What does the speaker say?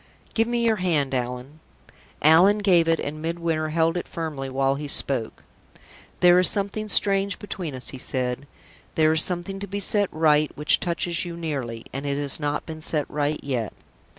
"Give me your hand, Allan." Allan gave it, and Midwinter held it firmly while he spoke. "There is something strange between us," he said. "There is something to be set right which touches you nearly; and it has not been set right yet.